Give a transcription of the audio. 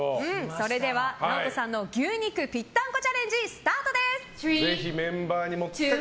それでは、ＮＡＯＴＯさんの牛肉ぴったんこチャレンジ